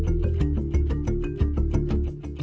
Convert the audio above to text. ก็ไปเลื่อมเมืองไปได้อะฟัง